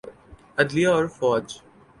عدلیہ اورفوج۔